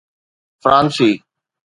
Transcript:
فرانسي